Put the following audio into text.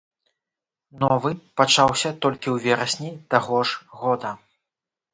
Новы пачаўся толькі ў верасні таго ж года.